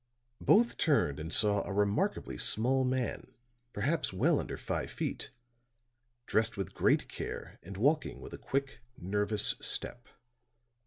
Both turned and saw a remarkably small man, perhaps well under five feet, dressed with great care and walking with a quick nervous step.